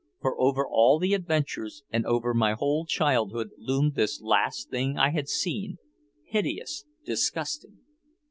For over all the adventures and over my whole childhood loomed this last thing I had seen, hideous, disgusting.